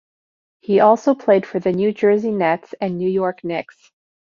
He also played for the New Jersey Nets and New York Knicks.